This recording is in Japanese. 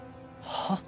はっ？